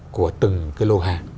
của từng cái lô hàng